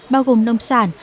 bao gồm nông sản